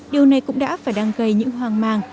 điều này cũng đã và đang gây những hoang mang